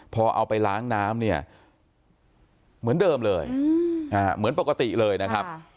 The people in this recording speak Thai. พอเอาไปล้างน้ำเนี่ยเหมือนเดิมเลยเหมือนปกติเลยนะครับ